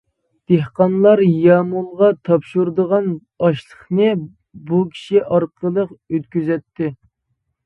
دېھقانلار يامۇلغا تاپشۇرىدىغان ئاشلىقنى بۇ كىشى ئارقىلىق ئۆتكۈزەتتى.